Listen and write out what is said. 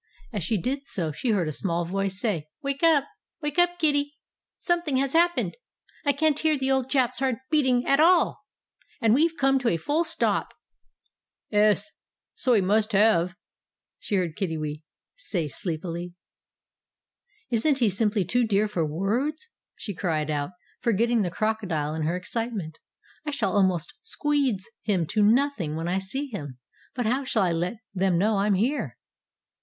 As she did so she heard a small voice say, "Wake up! Wake up, Kiddi! Something has happened! I can't hear the old chap's heart beating at all! And we've come to a full stop!" "'Es, so we must have!" she heard Kiddiwee say, sleepily. "Isn't he simply too dear for words?" she cried out, forgetting the crocodile in her excitement. "I shall almost squeedge him to nothing when I see him. But how shall I let them know I'm here?"